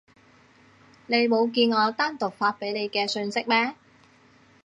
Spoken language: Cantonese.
你冇見我單獨發畀你嘅訊息咩？